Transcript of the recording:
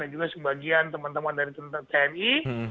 dan juga sebagian teman teman dari tni